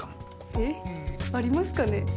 えっありますかね？